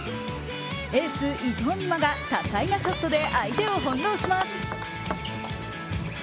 エース・伊藤美誠が多彩なショットで相手を翻弄します。